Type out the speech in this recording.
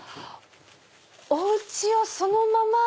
おうちをそのまま！